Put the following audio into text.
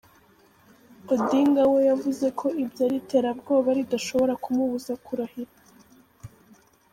Odinga we yavuze ko ibyo ari iterabwoba ridashobora kumubuza kurahira.